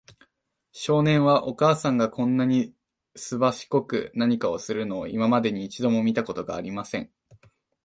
少年は、お母さんがこんなにすばしこく何かするのを、今までに一度も見たことがありません。